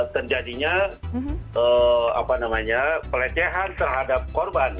terjadinya pelecehan terhadap korban